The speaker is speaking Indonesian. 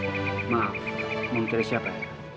maaf mau mencari siapa